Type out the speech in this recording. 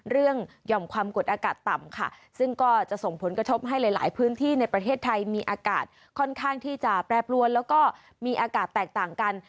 หย่อมความกดอากาศต่ำค่ะซึ่งก็จะส่งผลกระทบให้หลายพื้นที่ในประเทศไทยมีอากาศค่อนข้างที่จะแปรปรวนแล้วก็มีอากาศแตกต่างกัน